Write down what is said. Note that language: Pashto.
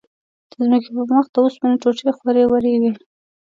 د ځمکې پر مخ د اوسپنو ټوټې خورې ورې وې.